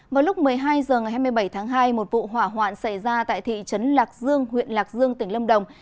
vào lúc một mươi hai h ngày hai mươi bảy tháng hai một vụ hỏa hoạn xảy ra tại thị trấn lạc dương huyện lạc dương tỉnh lâm đồng